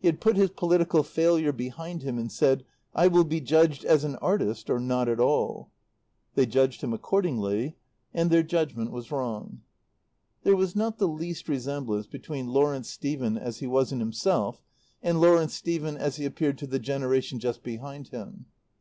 He had put his political failure behind him and said, "I will be judged as an artist or not at all." They judged him accordingly and their judgment was wrong. There was not the least resemblance between Lawrence Stephen as he was in himself and Lawrence Stephen as he appeared to the generation just behind him.